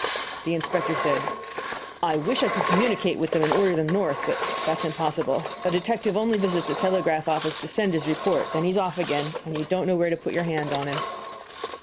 The inspector said: "I wish I could communicate with them and order them north, but that is impossible. A detective only visits a telegraph office to send his report; then he is off again, and you don't know where to put your hand on him."